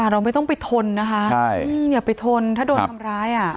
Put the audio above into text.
เราไม่ต้องไปทนนะคะอย่าไปทนถ้าโดนทำร้าย